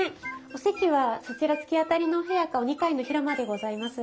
お席はそちら突き当たりのお部屋かお二階の広間でございます。